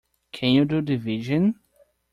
Can you do division?